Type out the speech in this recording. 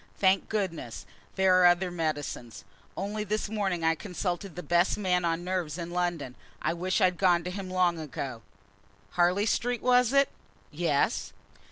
Thank goodness, there are other medicines. Only this morning I consulted the best man on nerves in London. I wish I'd gone to him long ago." "Harley Street, was it?" "Yes."